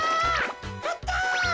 あった！